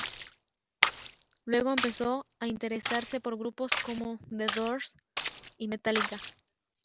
Luego empezó a interesarse por grupos como The Doors y Metallica.